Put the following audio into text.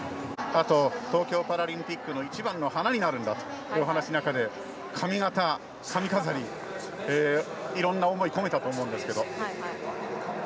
東京パラリンピックの一番の花になるんだというお話の中で、髪形、髪飾りいろんな思いを込めたと思います。